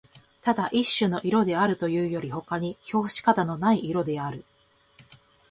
ただ一種の色であるというよりほかに評し方のない色である